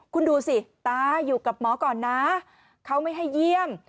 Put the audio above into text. คุณดูสิตาอยู่กับหมอก่อนนะเขาไม่ให้เยี่ยม